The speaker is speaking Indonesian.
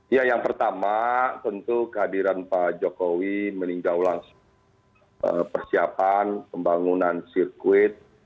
ya yang pertama tentu kehadiran pak jokowi meninjau langsung persiapan pembangunan sirkuit